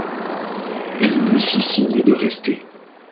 Elle lui fit signe de rester.